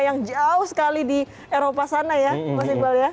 yang jauh sekali di eropa sana ya mas iqbal ya